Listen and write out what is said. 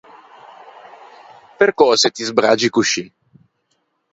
Percöse ti sbraggi coscì?